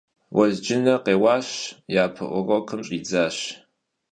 Vuezcıne khêuaş, yape vurokım ş'idzaş.